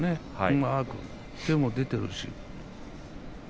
うまく手も出ているし。